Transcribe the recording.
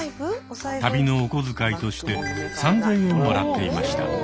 旅のおこづかいとして３，０００円もらっていました。